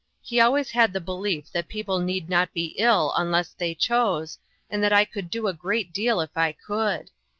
he always had the belief that people need not be ill unless they chose, and that I could do a great deal if I would.